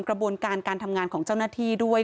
กระบวนการการทำงานของเจ้าหน้าที่ด้วย